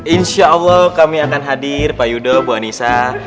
insya allah kami akan hadir pak yudo bu anissa